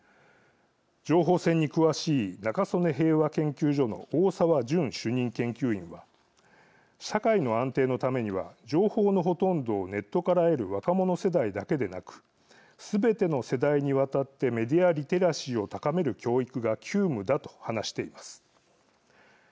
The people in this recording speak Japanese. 情報戦に詳しい中曽根平和研究所の大澤淳主任研究員は社会の安定のためには情報のほとんどをネットから得る若者世代だけでなくすべての世代にわたってメディアリテラシーを高める教育が急務だと話しています。